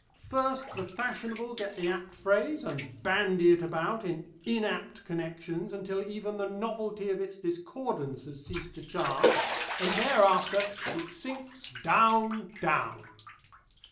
First the fashionable get the apt phrase, and bandy it about in inapt connections until even the novelty of its discordance has ceased to charm, and thereafter it sinks down, down.